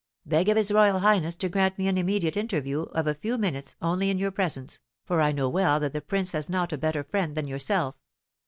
Beg of his royal highness to grant me an immediate interview of a few minutes only in your presence, for I know well that the prince has not a better friend than yourself.